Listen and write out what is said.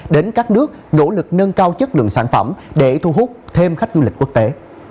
đến các nước nỗ lực nâng cao chất lượng sản phẩm để thu hút thêm khách du lịch quốc tế